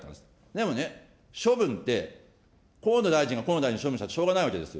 でもね、処分って、河野大臣が河野大臣を処分したってしょうがないわけです。